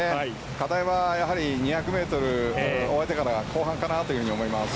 課題はやはり、２００ｍ終えて後半からだと思います。